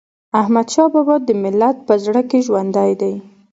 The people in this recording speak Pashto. احمدشاه بابا د ملت په زړه کي ژوندی دی.